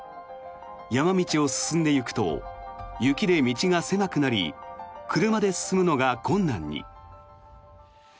山道を進んでいくと雪で道が狭くなり車で進むのが困難に。